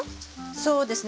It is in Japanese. そうですね